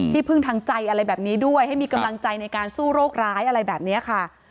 พึ่งทางใจอะไรแบบนี้ด้วยให้มีกำลังใจในการสู้โรคร้ายอะไรแบบนี้ค่ะ